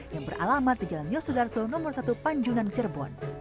yang beralamat di jalan yosudarso nomor satu panjunan cirebon